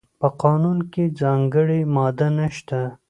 په قانون کې ځانګړې ماده نشته.